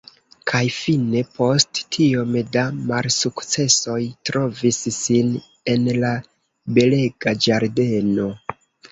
Kaj fine —post tiom da malsukcesoj—trovis sin en la belega ĝardeno.